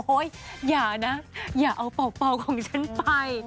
โหยอย่านะอย่าเอาเปากเป๋าของฉันไป